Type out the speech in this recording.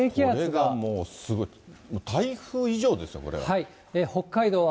これがもう、すごい、台風以上ですよ、これは。